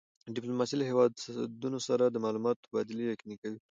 ډیپلوماسي له هېوادونو سره د معلوماتو تبادله یقیني کوي.